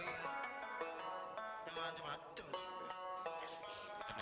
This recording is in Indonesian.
jasemi bukan macam itu jasemi